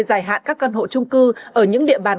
dài hạn các căn hộ trung cư ở những địa bàn